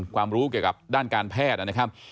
ความรู้เกี่ยวกับด้านการแพทย์นะครับ